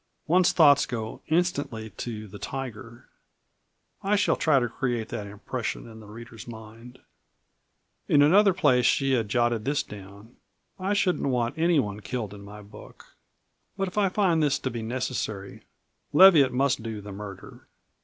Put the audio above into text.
One's thoughts go instantly to the tiger. I shall try to create that impression in the reader's mind." In another place she had jotted this down: "I shouldn't want anyone killed in my book, but if I find this to be necessary Leviatt must do the murder.